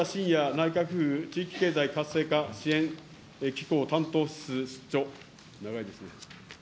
内閣府地域経済活性化支援機構担当室室長。